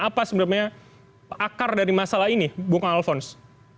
apa sebenarnya akar dari masalah ini bung alphonse